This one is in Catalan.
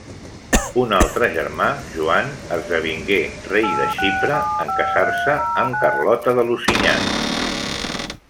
Un altre germà, Joan, esdevingué rei de Xipre en casar-se amb Carlota de Lusignan.